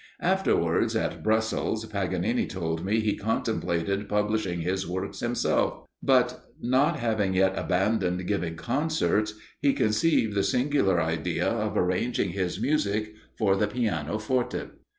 Afterwards, at Brussels, Paganini told me he contemplated publishing his works himself; but, not having yet abandoned giving concerts, he conceived the singular idea of arranging his music for the Pianoforte.